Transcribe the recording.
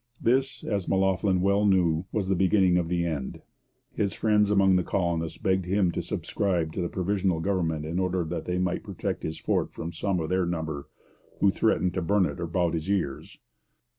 This, as M'Loughlin well knew, was the beginning of the end. His friends among the colonists begged him to subscribe to the provisional government in order that they might protect his fort from some of their number who threatened to 'burn it about his ears.'